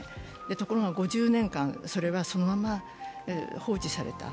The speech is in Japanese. ところが５０年間、それはそのまま放置された。